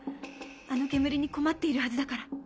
あの煙に困っているはずだから。